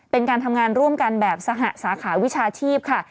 เป็นการทำงานร่วมกันแบบสหสาขาวิชาชีพค่ะ